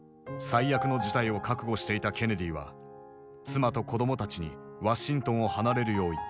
最悪の事態を覚悟していたケネディは妻と子どもたちにワシントンを離れるよう言った。